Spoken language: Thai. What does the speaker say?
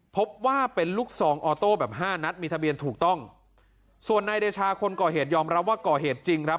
พบว่าเป็นลูกซองออโต้แบบห้านัดมีทะเบียนถูกต้องส่วนนายเดชาคนก่อเหตุยอมรับว่าก่อเหตุจริงครับ